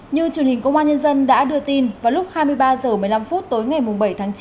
như truyền hình công an nhân dân đã đưa tin vào lúc hai mươi ba h một mươi năm tối ngày bảy tháng chín